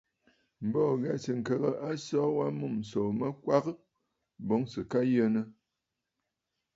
M̀bə ò ghɛ̂sə̀ ŋkəgə aso wa mûm ǹsòò mə kwaʼa boŋ sɨ̀ aa yənə!